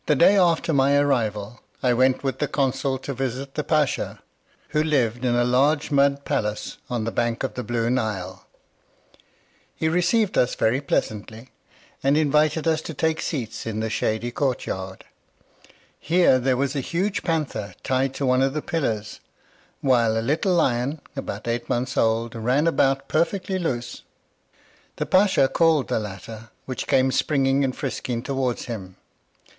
The day after my arrival I went with the consul to visit the pacha, who lived in a large mud palace on the bank of the Blue Nile. He received us very pleasantly, and invited us to take seats in the shady court yard. Here there was a huge panther tied to one of the pillars, while a little lion, about eight months old, ran about perfectly loose. The pacha called the latter, which came springing and frisking towards him.